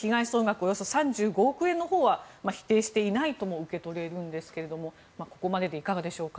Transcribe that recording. およそ３５億円のほうは否定していないとも受け取れるんですがここまででいかがでしょうか。